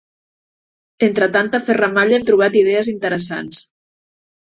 Entre tanta ferramalla hem trobat idees interessants.